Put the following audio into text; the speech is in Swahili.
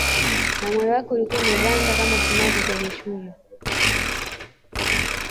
na moyo wake ulikuwa umeganda kama sumaku kwenye chuma